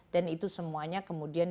dan itu semuanya kemudian